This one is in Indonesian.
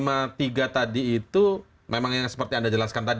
bahwa satu lima puluh tiga tadi itu memang yang seperti anda jelaskan tadi